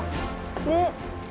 ねっ。